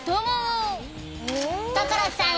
所さん